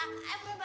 eh boleh banget